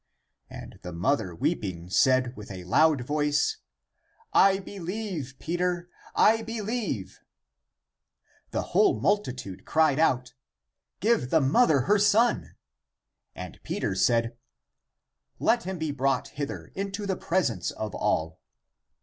And the mother, weeping, said with a loud voice, "I believe; Peter, I believe." The w^hole multitude cried out, " Give the mother 38 Luke V, 23; Vn, 14. ACTS OF PETER lOI her son." And Peter said, " Let him be brought hither into the presence of all."